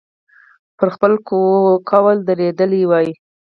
پر خپل قول درېدلی وای.